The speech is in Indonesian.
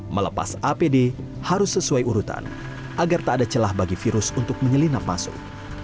melepas apd harus sesuai urutan agar tak ada celah bagi virus untuk menyelinap masuk